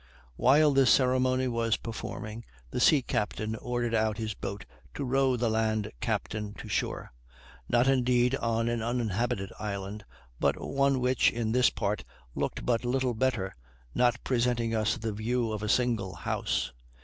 While this ceremony was performing, the sea captain ordered out his boat to row the land captain to shore; not indeed on an uninhabited island, but one which, in this part, looked but little better, not presenting us the view of a single house.